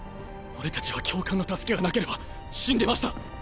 俺たちは教官の助けがなければ死んでました。